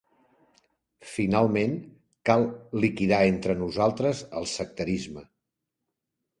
Finalment, cal liquidar entre nosaltres el sectarisme.